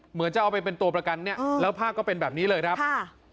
เหมือนจะเอาไปเป็นตัวประกันเนี่ยแล้วภาพก็เป็นแบบนี้เลยครับค่ะ